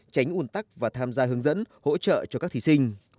tránh ủn tắc và tham gia hướng dẫn hỗ trợ cho các thí sinh